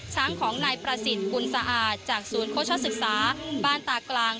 ของนายประสิทธิ์บุญสะอาดจากศูนย์โฆษศึกษาบ้านตากลาง